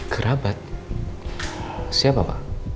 kerabat siapa pak